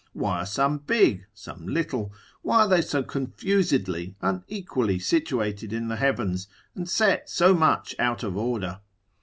Why are some big, some little, why are they so confusedly, unequally situated in the heavens, and set so much out of order?